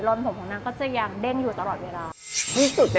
รอนผมของเธอนั้นก็จะยังเด้งอยู่ตลอดเวลา